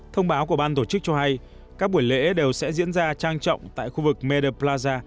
thông báo của ban tổ chức cho hay các buổi lễ đều sẽ diễn ra trang trọng tại khu vực medde plaza